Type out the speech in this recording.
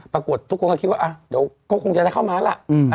ปรากฏทุกคนก็คิดว่าเดี๋ยวก็คงจะได้เข้ามาล่ะ